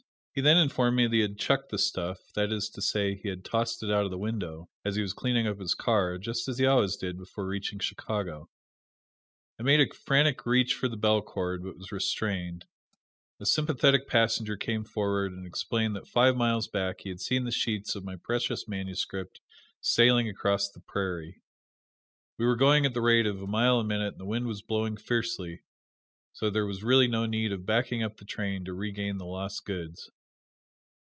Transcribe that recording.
He then informed me that he had "chucked the stuff," that is to say, he had tossed it out of the window, as he was cleaning up his car, just as he always did before reaching Chicago. I made a frantic reach for the bell cord, but was restrained. A sympathetic passenger came forward and explained that five miles back he had seen the sheets of my precious manuscript sailing across the prairie. We were going at the rate of a mile a minute and the wind was blowing fiercely, so there was really no need of backing up the train to regain the lost goods.